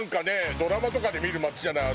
ドラマとかで見る街じゃない？